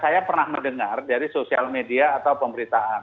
saya pernah mendengar dari sosial media atau pemberitaan